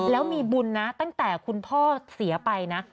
แล้วมีบุญนะตั้งแต่คุณพ่อเสียไปนะ